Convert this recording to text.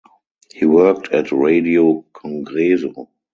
He worked at Radio Congreso.